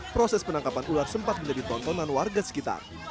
proses penangkapan ular sempat menjadi tontonan warga sekitar